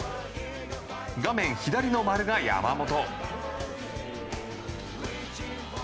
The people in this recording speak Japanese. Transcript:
画面左の丸が山本。